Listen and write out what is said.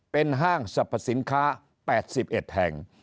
เป็นห้างสรรพสินค้า๘๑แห่ง